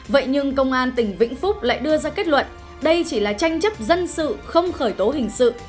vậy nhưng công an tỉnh vĩnh phúc lại đưa ra kết luận đây chỉ là tranh chấp dân sự không khởi tố hình sự